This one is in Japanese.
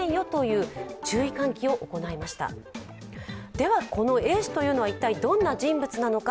では、このＡ氏というのは一体どんな人物なのか。